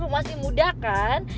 masih muda kan